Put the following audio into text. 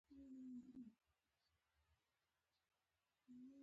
آیا هر محصول باید په دواړو ژبو نه وي؟